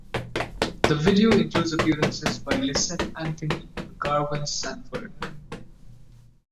The video includes appearances by Lysette Anthony and Garwin Sanford.